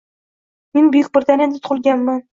Men Buyuk Britaniyada tugʻilganman.